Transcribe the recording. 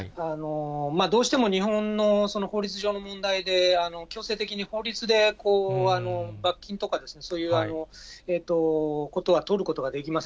どうしても日本の法律上の問題で、強制的に法律で罰金とかですね、そういうことは取ることができません。